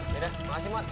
yaudah makasih mod